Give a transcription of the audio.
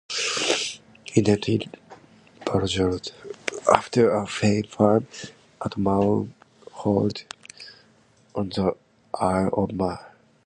He named it Ballajora, after a farm at Maughold on the Isle of Man.